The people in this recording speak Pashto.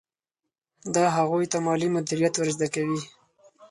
دا هغوی ته مالي مدیریت ور زده کوي.